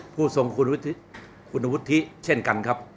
ผู้ทรงคุณวุฒิเช่นกันครับ